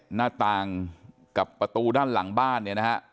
หน้าต่างกับประตูด้านหลังบ้านเนี่ยนะฮะ